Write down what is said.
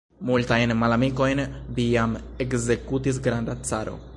Multajn malamikojn vi jam ekzekutis, granda caro.